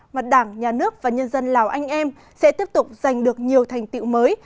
mà đảng nhà nước và nhân dân lào anh em sẽ tiếp tục giành được nhiều thành tiệu mới